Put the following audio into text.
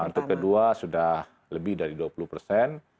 kartu kedua sudah lebih dari dua puluh persen